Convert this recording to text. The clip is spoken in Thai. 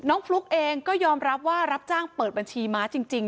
ฟลุ๊กเองก็ยอมรับว่ารับจ้างเปิดบัญชีม้าจริง